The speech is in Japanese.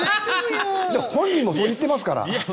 本人もそう言ってますから。